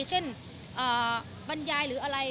เช่นบรรยายหรืออะไร